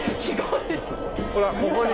ほらここに。